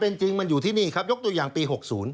ในปี๖๐